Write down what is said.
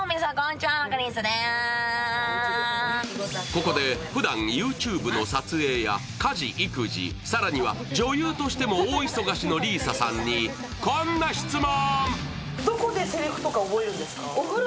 ここでふだんＹｏｕＴｕｂｅの撮影や家事・育児、更には女優としても大忙しの里依紗さんにこんな質問。